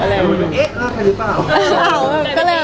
แต่ว่าเอ๊ะเล่าใครรึเปล่า